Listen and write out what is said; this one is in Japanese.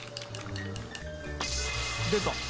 出た。